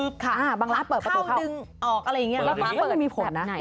บางร้านเปิดประตูเข้าพักเข้าดึงออกอะไรอย่างเงี้ย